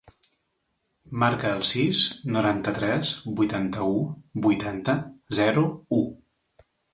Marca el sis, noranta-tres, vuitanta-u, vuitanta, zero, u.